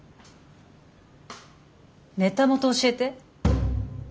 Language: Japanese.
ネタ元教えて。